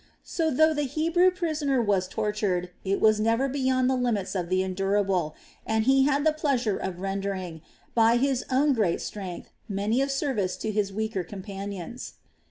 So though the Hebrew prisoner was tortured, it was never beyond the limits of the endurable, and he had the pleasure of rendering, by his own great strength, many a service to his weaker companions.